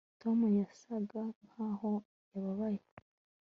tom yasaga nkaho yababaye